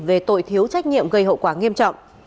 về tội thiếu trách nhiệm gây hậu quả nghiêm trọng